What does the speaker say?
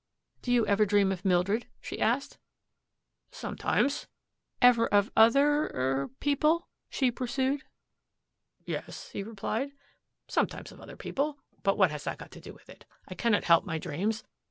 "Do you ever dream of Mildred?" she asked. "Sometimes," he admitted reluctantly. "Ever of other er people?" she pursued. "Yes," he replied, "sometimes of other people. But what has that to do with it? I cannot help my dreams.